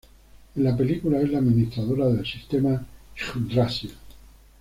En la película es la administradora de sistema Yggdrasil.